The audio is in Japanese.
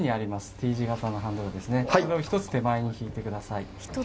Ｔ字形のハンドルを１つ手前に引いてください。